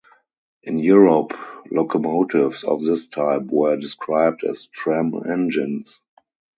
In Europe, locomotives of this type were described as Tram engines.